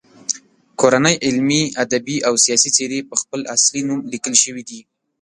کورنۍ علمي، ادبي او سیاسي څیرې په خپل اصلي نوم لیکل شوي دي.